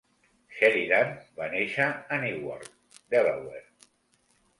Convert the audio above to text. Sheridan va néixer a Newark, Delaware.